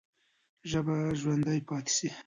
ژبه به ژوندۍ پاتې سي.